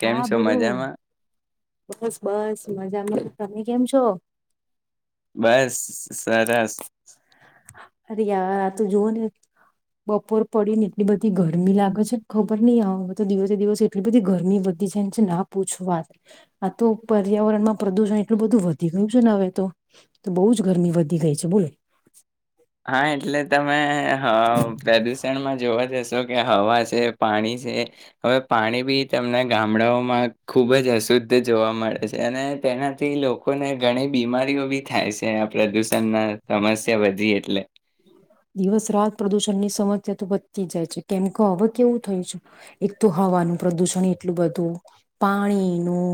કેમ છો બોલો મજામાં બસ બસ મજામાં તમે કેમ છો બસ સરસ અરે યાર આ તો ને બપોર પડી ને એટલી બધી ગરમી લાગે છે ખબરની આવે તો દિવસે દિવસે એટલી બધી ગરમી વધી છે ના પૂછ વાત આ તો પર્યાવરણમાં પ્રદુષણ એટલું બધું વધી ગયું છે ને હવે તો બહુ જ ગરમી વધી ગઈ છે બોલે હા એટલે તમે હા પ્રદુષણમાં જોવા જશે જો કે હવા છે પાણી છે હવે પાણી બી તમના ગામડાઓમાં ખુબ જ અશુદ્ધ જોવા મળે છે અને તેનાથી લોકોને ઘણી બીમારીઓ બી થાય છે આ પ્રદૂષણના સમસ્યા વધી એટલે દિવસ રાત પ્રદુષણની સમસ્યા તો વધતી જાય છે કેમ કેવું થય છે એક તો હવાનું પ્રદુષણ એટલું બધું પાણીનું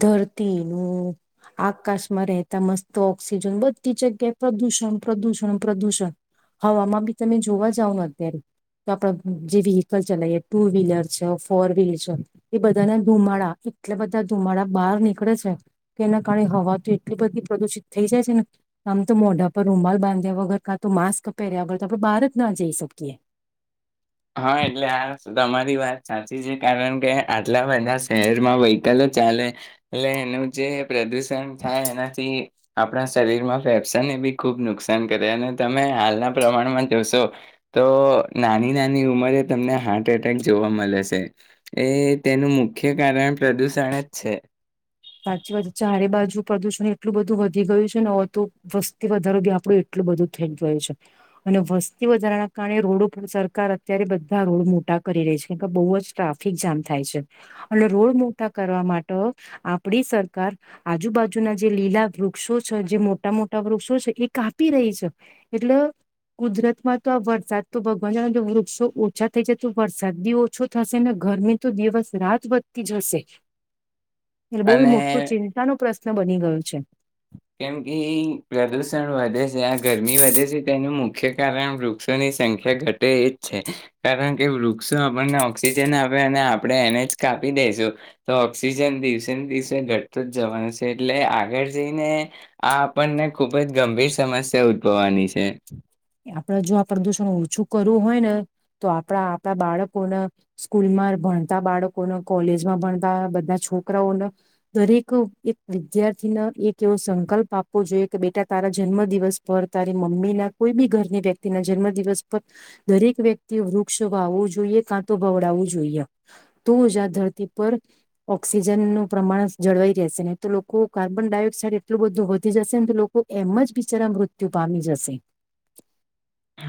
ધરતીનું આકાશમાં રહેતા મસ્ત ઓક્સિજન બધી જગ્યાએ પ્રદુષણ પ્રદુષણ પ્રદૂષણ હવામાં બી તમે જોવા જાવ ને અત્યારે તો આપડ વિહિકલ ચલાવીએ ટુ વ્હીલર છે ફોર વ્હીલર છે એ બધાના ધુમાડા એટલા બધા ધુમાડા બહાર નીકળે છે કે એના કારણે હવા તો એટલી બધી પ્રદુષિત થઈ જાય છે ને આમ તો મોઢા પર રૂમાલ બાંધ્યા વગર કાં તો માસ્ક તો આપડે બહાર જ ના જઈ શકીએ. હા એટલે આ તમારી વાત સાચી છે કારણ કે આટલા બધા શહેરમાં વહિકલ ચાલે એટલે એનું જે પ્રદુષણ થાય એનાથી આપણા શરીરમાં ફેફસાને બી ખૂબ નુકસાન કરે અને તમે હાલના પ્રમાણમાં જોશો તો નાની નાની ની ઉંમરે તમને હાર્ટ એટેક જોવા મલે છે એ તેનું મુખ્ય કારણ પ્રદુષણ જ છે. સાચી વાત ચારે બાજુ પ્રદુષણ એટલું બધું વધી ગયું છે ને હો તો વસ્તી વધારો બી આપણું એટલું બધું થઈ ગયું છે અને વસ્તી વધારાના કારણે રોડો સરકાર અત્યારે બધા રોડ મોટા કરી રહી છે કાર કે બહુ જ ટ્રાફિક જામ થાય છે [unintelligible] રોડ મોટા કરવા માટ આપણી સરકાર આજુબાજુના જે લીલા વૃક્ષો છે જે મોટા મોટા વૃક્ષો છે એ કાપી રહી છે એટલે કુદરતમાં તો આ વરસાદ તો ભગવાન જ વૃક્ષો ઓછા થઈ જાય તો વરસાદ બી ઓછો થશે ને ગરમી તો દિવસ રાત વધતી જશે એટલે બહુ અને મોટું ચિંતાનો પશ્ન બની ગયું છે. કેમ કે પ્રદુષણ વધે છે આ ગરમી વધે છે તેનું મુખ્ય કારણ વૃક્ષોની સંખ્યા ઘટે એ જ છે કારણ કે વૃક્ષો આપણને ઓક્સિજન આપે અને આપણે એને જ કાપી દઈશું તો ઓક્સિજન દિવસે ને દિવસે ઘટતું જ જવાનું છે એટલે આગળ જઈને આ આપણને ખુબ જ ગંભીર સમસ્યા ઉદભવવાની છે. આપણે જો આ પ્રદુષણ ઓછું કરવું હોય ને તો આપણા આપણા બાળકોને સ્કૂલમાં ભણતા બાળકોને કોલેજમાં ભણતા બધા છોકરાઓને દરેક એક વિદ્યાર્થીને એક એવો સંકલ્પ આપવો જોઈએ કે બેટા તારા જન્મ દિવસ પર તારી મમ્મીના કોઈ બી ઘરની વ્યક્તિના જન્મ દિવસ પર દરેક વ્યક્તિ વૃક્ષ વાવવું જોઈએ કાં તો બવડાવવું જોઈએ તો જ આ ધરતી પર ઓક્સિજનનુંપ્રમાણ જળવાઈ રહેશે ને તો લોકો કાર્બન ડાયોક્સાઇડ એટલું બધું વધી જશેને તો લોકો એમ જ બિચારા મૃત્યુ પામી જશે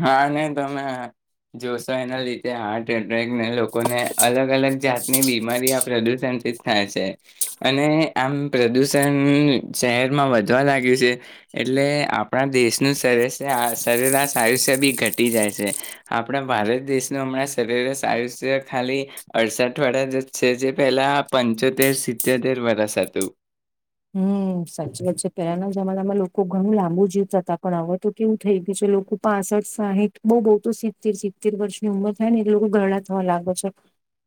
હા નહી તમે જોશો એના લીધે હાટ ટેકને લોકોને અલગ અલગ જાતની બીમારી આ પ્રદુષણથી થાય છે અને આમ પ્રદુષણ શહેરમાં વધવા લાગ્યું છે એટલે આપણા દેશનું સરેઆરાસ આયુસ્ય બી ઘટી જાય છે આપણા ભારત દેશનું હમણાં શરીર સાયુસ્ય ખાલી અડસઠ વડા જ જ છે જે પહેલા પંચોતેર સિત્યોતેર વરષ હતુ હમ સાચ વાત છે પેલાના જમાનામાં લોકો ઘણું લાંબુ જીવતા હતા પણ હવે તો કેવું થઈ ગયું છે લોકો પાસઠ સાહીઠ બહ બહુ તો સિત્તેર સિત્તેર વર્ષની ઉંમર થાય ને એ લોકો ગરડા થવા લાગે છે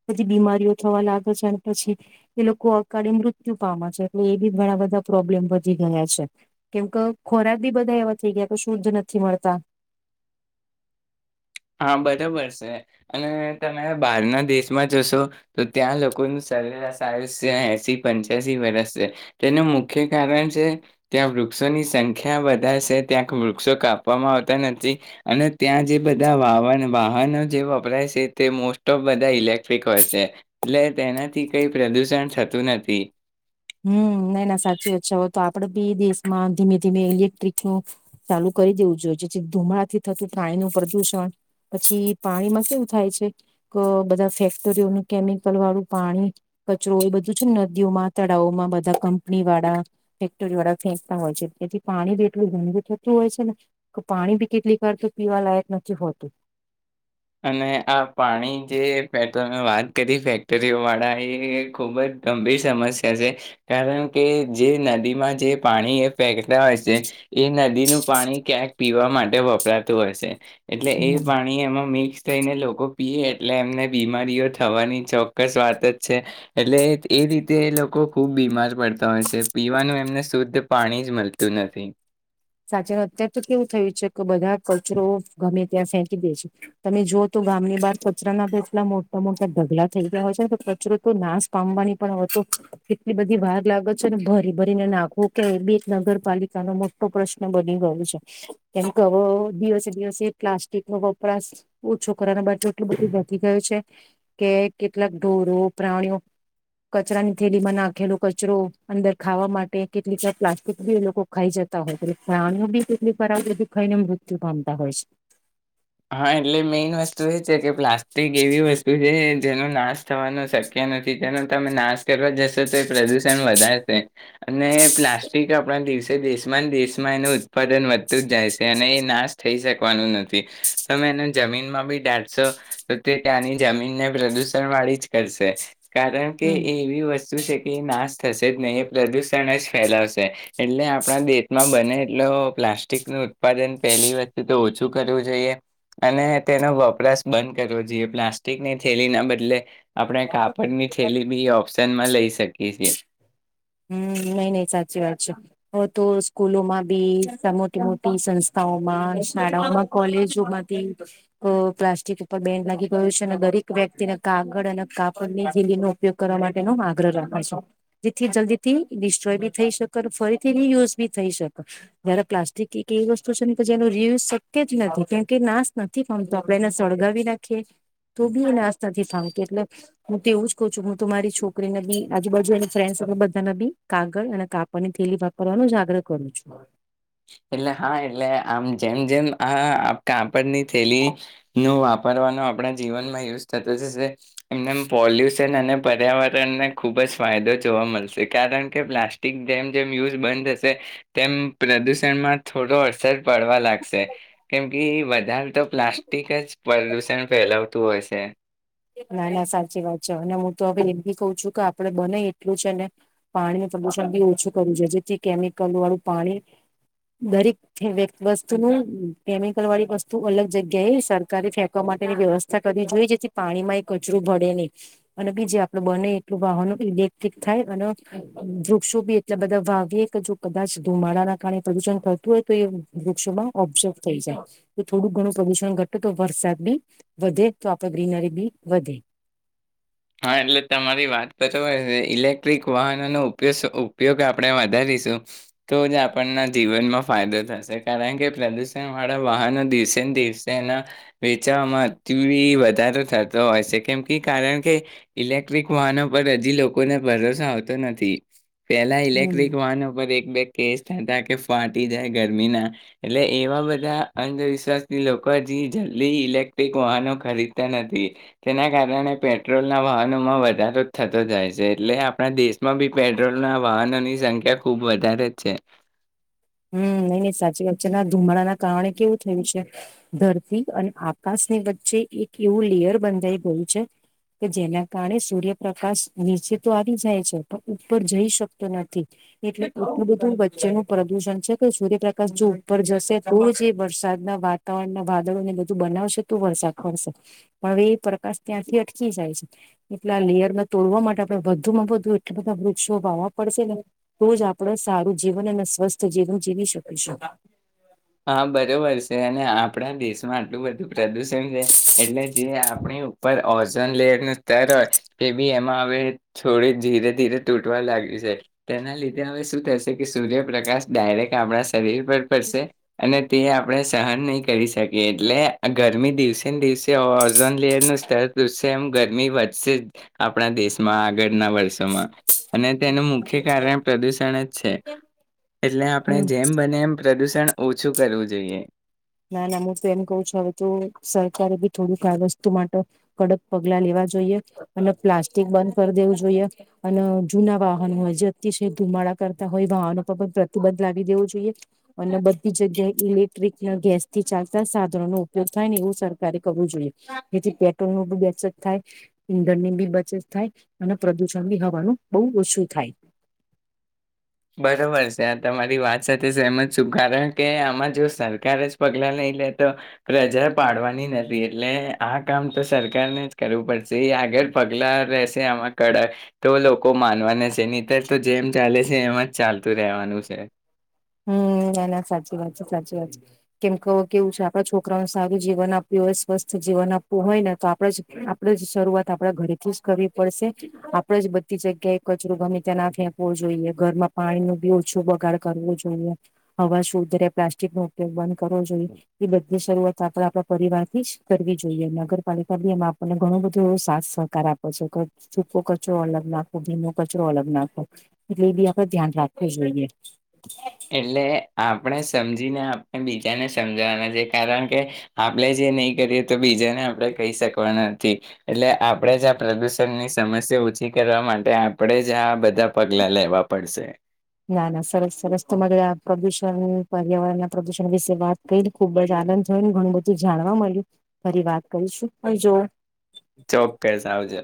બધી બીમારીઓ થવા લાગે છે અને પછી એ લોકો અકાળે મૃત્યુ પામે છે. એ એ બી ઘણા બધા પ્રોબ્લેમ વધી ગયા છે કેમ કે ખોરાક બી બધા એવા થઈ ગયા કે શુદ્ધ નથી મળતા હા બરોબર છે અને તમે બહારના દેશમાં જશો તો ત્યાં લોકોનું સરેરાશ આયુષ એસી પંચ્યાસી વર્ષ છે તેનું મુખ્ય કારણ છે ત્યાં વૃક્ષોની સંખ્યા વધારે છે ત્યાંક વૃક્ષો કાપવામાં આવતા નથી અને ત્યાં જે ધા વાવન વાહનો જે વપરાય છે તે મોસ્ટ ઓફ બધા ઇલેક્ટ્રિક હોય છે એટલે તેનાથી કઈ પ્રદુષણ થતું નથી હમ ના ના સાચી વાત છે હોય તો આપડે બી દેશમાં ધીમે ધીમે ઇલેક્ટ્રિક નું ચાલુ કરી દેવું જોઈએ જેથી ધુમડાથી થતું પાણીનું પ્રદુષણ પછી પાણીમાં કેવું થાય છે કે બધા ફેક્ટરીઓનું કેમિકલ વાળું પાણી કચરો એ બધું છે ને નદીઓમાં તળાવોમાં બધા કંપની વાળા ફેક્ટરી વાળા ફેંકતા હોય છે તેથી પાણી બી એટલું ગંદું થતું હોય છે ને કે પાણી બી કેટલીક વાર તો પીવા લયક નથી હોતું. અને આ પાણી જે ભાઈ તમે વાત કરી ફેક્ટરીઓ વાળા એ ખૂબ જ ગંભીર સમસ્યા છે કારણ કે જે નદીમાં જે પાણી એ ફેકતા હોય છે એ નદીનું પાણી ક્યાંક પીવા માટે વપરાતું હોય છે. એટલે એ પાણી એમાં મિક્સ મિક્સ થઈને લોકો પી એટલે એમને બીમારીઓ થવાની ચોક્કસ વાત જ છે એટલે એ રીતે લોકો ખુબ બીમાર પડતા હોય છે પીવાનું એમને શુદ્ધ પાણી જ મળતું નથી. સાચી અત્યાર તો કેવું થયું છે કે બધા કચરો ગમે ત્યાં ફેંકી દે છે તમે જુઓ તો ગામની બહાર કચરાના તો એટલા મોટા મોટા ઢગલા થઈ ગયા હોય છેને તો કચરો તો નાશ પામવાની પણ હો હતો એટલી બધી વાાર લાગે છે ને ભરી ભરીને નાખવું કે એ બી એક નગરપાલિકાનો ટો પ્રશ્ન બની ગયો છે કેમ કે અવ દિવસે દિવસે પ્લાસ્ટિકનો વપરાશ ઓ છોકરાના બાજુ એટલું બધું વધી ગયું છે કે કેટલાક ઢોરો પ્રાણીઓ કચરાની થેલીમાં નાખેલો કચરો અંદર ખાવા માટે કેટલીક પ્લાસ્ટિક બી એ લોકો ખાઈ જત તા હોય પ્રાણીઓ બી કેટલી ખરાબ રીતે ખાઈને મૃત્યુ પામતા હોય છે. હા એટલે મેઈન વસ્તુ એ છે કે પ્લાસ્ટિક એવી વસ્તુ છે જેનો નાશ થવાનો શક્ય નથી તેનો તમે નાશ કરવા જશો તો એ પ્રદુષણ વધારશે અને પ્લાસ્ટિક આપણા દિવસે દેશમાં દેશમાં એનું ઉત્પાદન વધતું જ જાય છે અને એ નાશ થઈ શકવાનો નથી. તમે એને જમીનમાં બી ડાટશો તો તે ત્યાંની જમીનને પ્રદુષણ વાળી જ કરશે. કારણ કે હમ એવી વસ શું છે કે એ નાશ થશે જ નય એ પ્રદુષણ જ ફેલાવશે એટલે આપણા દેેશમાં બને એટલે પ્લાસ્ટિકનો ઉત્પાદન પહેલી વસ્તુ તો ઓછું કરવું જોઈએ. અને તેનો વપરાશ બંધ કરવો જોઈએ પ્લાસ્ટિકની થેલીના બદલે આપણે કાપડની થેલી બી એ ઓપ્શનમાં લઈ શકીએ છીએ. હમ નહી નહી સાચી વાત છે હવે તો સ્કૂલોમાં બી મોટી મોટી સંસ્થાઓમાં શાળાઓમાં કોલેજોમાંથી પ્લાસ્ટિક ઉપર બેન્ડ લાગી ગયો છે અને દરેક વ્યક્તિને કાગળ અને કાપડની થેલીનો ઉપયોગ કરવા માટેનો આગ્રહ રાખો છો જેથી જલ્દી ડિસ્ટ્રોય બી થઈ શકે ફરીથી રિયુઝ બી થઈ શકે જયારે પ્લાસ્ટિક એક એવી વસ્તુ છે ને કે એનું રિયુઝ શક્ય જ નથી કેમકે નાશ નથી ફમતો આપડે એને સળગાવી નાખીએ તો બી એ નાશ નથી પામતી એટલે હું તો એવું જ કઉ છું હું તો મારી છોકરીને બી આજુબાજુની ફ્રેન્ડસ તાનાબી કાગળ અને કાપડની થેલી વાપરવાનો જ આગ્રહ કરું છું. એટલે હા એટલે આમ જેમ જેમ આ કાપડની થેલીનો વાપરવાનો આપણા જીવનમાં યુઝ થતો જશે એમને પોલ્યુશન અને પર્યાવરણને ખુબજ ફાયદો જોવા મળશે કારણ કે પ્લાસ્ટિક જેમ જેમ યુઝ બંધ થશે તેમ પ્રદુષ તેમાં થોડો અસર પડવા લાગશે કેમ કે વધારે તો પ્લાસ્ટિક જ પ્રદુષણ ફેલાવતું હોય છે. ના ના સાચી વાત છે અને હું તો હવે એ બી કઉ છું કે આપડે બને એટલું છે ને પાણીનું પ્રદુષણ બી ઓછું કરવું જો જેથી કેમિકલ વાળું પાણી દરેક વસ્તુનું કેમિકલ વાળી વસ્તુ અલગ જગ્યાએ સરકારે ફેંકવા માટેની વ્યવસ્થા કરવી જોઈએ જેથી પાણીમાં એ કચરો ભળે નહી અને બીજ આપડું બને એટલું વાહનો ઇલેક્ટ્રિક થાય અને વૃક્ષો બી એટલા બધા વાવીએ કે જો કદાચ ધુમાડાના કારણે પ્રદુષણ થતું હોય તો એ વૃક્ષોમાં ઓબ્ઝોર્વ થઈ જાય તો થોડું ઘણું પ્રદુષણ ઘટટુ તો વરસાદ બી વધે તો આપણે ગ્રીનરી બી વધે હા એટલે તમારી વાત પતા હોય ઇલેક્ટ્રિક વાહનોનો ઉપ ઉપયોગ આપણે વધારીશું તો જ આપણના જીવનમાં ફાયદો થશે કારણ કે પ્રદુષણ વાળા વાહનો દિવસેને દિવસે એના વેચાવામાં અતિ વધારો થતો હોય છે કેમ કે કારણ કે ઇલેક્ટ્રિક વાહનો પર હજી લોકોને ભરોસો આવતો નથી. પેલા હમ ઇલેક્ટ્રિક વાહનો પર એક બેગ કેસ થતા કે ફાટી જાય ગરમીના એટલે એવા બધા અંધવિશ્વાસથી લોકો હજી જલ્દી ઇલેક્ટ્રિક વાહનો ખરીદતા નથી તેના કારણે પેટ્રોલના વાહનોમાં વધારો થતો જાય છે એટલે આપણા દેશમાં બી પેટ્રોલના વાહનોની સંખ્યા ખુબ વધારે છે. હમ નહી નહી સાચી વાત છે ના ધુમાડાના કારણે કેવું થયું છે ધરતી અને આકાશની વચ્ચે એક એવું લેયર બંધાઈ ગયું છે કે જેના કારણે સૂર્યપ્રકાશ નીચે તો આવી જાય છે પણ ઉપર જઈ શકતો નથી એટલે આટલું બધું વચ્ચેનું પ્રદુષણ સૂર્યપ્રકાશ જો ઉપર જશે તો જ એ વરસાદના વાતાવરણના વાદળોને બધું બનાવશે તો વરસાદ પરશે પણ હવે એ પ્રકાશ ત્યાંથી અટકી જાય છે એટલે આ લેયરમાં તોડવા માટે આપડે વધુમાં વધુ એટલા બધા વૃક્ષો વાવા પડશે ને તોજ આપડે સારું જીવન અને સ્વસ્થ તો જીવન જીવી શકીશું. હા બરોબર છે અને આપણા દેશમાં આટલું બધું પ્રદુષણ છે એટલે જે આપણી ઉપર ઓઝન લેયરનું સ્તર હોય એ બી એમાં હવે થોડી ધીરે ધીરે તૂટવા લાગ્યું છે તેના લીધે હવે શું થશે કે સૂર્યપ્રકાશ ડાયરેક્ટ આપણા શરીર પર પડશે અને તે આપણે સહન નહીં કરી શકીએ એટલે ગરમી દિવસેને દિવસે ઓઝોન લેયરનું સ્તર પૂશે એમ ગરમી વધશે જ આપણા દેશમાં આગળના વર્ષોમાં અને તેનું મુખ્ય કારણ પ્રદુષણ જ છે એટલે આપણે હમ જેમ બને એમ પ્રદૂષણ ઓછું કરવું જોઈએ. ના ના હું તો એમ કહું છું હવે તો સરકારે બી થોડુંક વસ્તુ માટે કડક પગલા લેવા જોઈએ અને પ્લાસ્ટિક બંધ કરી દેવું જોઈએ અને જુના વાહનો હોય જે અતિશય ધુમાડા કરતા હોય વાહનો પર પણ પ્રતિબંધ લાવી દેવું જોઈએ અને બધી જગ્યાએ ઇલેક્ટ્રિક ત્યા ગેસથી ચાલતા સાધનો નો ઉપયોગ થાય ને એવું સરકારે કરવું જોઈએ જેથી પેટ્રોલનો બી બચત થાય ઈંધણની બી બચત થાય અને પ્રદુષણ બી હવાનું બહુ ઓછું થાય. બરોબર છે હ તમારી વાત સાથે સેહમત છું કારણ કે આમાં જો સરકાર જ પગલાં લઈ લે તો પ્રજા પાડવાની નથી એટલે આ કામ તો સરકારને જ કરવું પડશે એ આગળ પગલાં લેશે આમાં કડક તો લોકો માનવાના છે નહીંતર તો જેમ ચાલે છે એમ જ ચાલતું રેવાનું છે. હમ ના ના સાચી વાત છે સાચી વાત છે કેમ કે કેવું છે આપડા છોકરાઓને સારું જીવન આપવું હોય સ્વસ્થ જીવન આપવું હોય ને તો આપડે જ આપણે જ શરૂઆત આપડા ઘરેથી જ કરવી પડશે આપડે જ બધી જગ્યાએ કચરો ગમે ત્યાં ના ફેંકવો જોઈએ ઘરમાં પાણીનું બી ઓછું બગાડ કરવું જોઈએ. હવા સુધરે પ્લાસ્ટિકનો ઉપયોગ બંધ કરવો જોઈએ એ બધી શરૂઆત આપે આપ પરિવારથી જ કરવી જોઈએ નગરપાલિકા બી એમાં આપણને ઘણું બધું એ સાથ સહકાર આપે છે કે સુખો કચરો અલગ નાખો ભીનો કચરો અલગ નાખો એટલે એ બી આપડે ધ્યાન રાખવું જોઈએ. એટલે આપણે સમજીને આપણે બીજાને સમજાવાના છે કારણ કે આપણે જે નહીં કરીએ તો બીજા આપણે કહી શકવાના નથી. એટલે આપણે જ આ પ્રદુષણની સમસ્યા ઓછી કરવા માટે આપણેે જ આ બધા પગલા લેવા પડશે. ના ના સરસ સરસ તો મ આ પ્રદુષણ પર્યાવરણ ના પ્રદુષણ વિશે વાત કરી ખુબ જ આનંદ થયો ને ઘણું બધું જાણવા મળ્યું ફરી વાત કરીશું આવ જો ચોક્કસ આવજો.